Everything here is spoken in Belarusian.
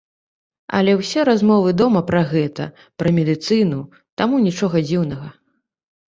Але ўсе размовы дома пра гэта, пра медыцыну, таму нічога дзіўнага.